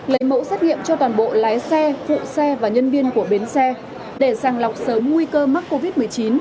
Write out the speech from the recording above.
lấy mẫu xét nghiệm cho toàn bộ lái xe phụ xe và nhân viên của bến xe để sàng lọc sớm nguy cơ mắc covid một mươi chín